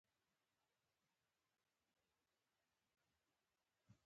الله حاضر دى چې نه يې راته ځاى معلوم دى.